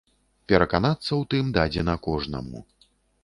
Пераканацца ў тым дадзена кожнаму.